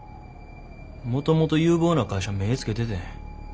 もともと有望な会社目ぇつけててん。